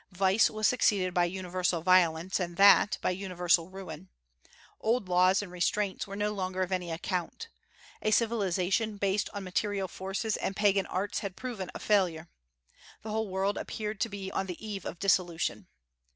Vice was succeeded by universal violence; and that, by universal ruin. Old laws and restraints were no longer of any account. A civilization based on material forces and Pagan arts had proved a failure. The whole world appeared to be on the eve of dissolution.